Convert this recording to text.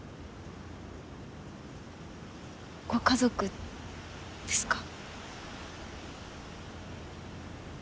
ご家族ですか？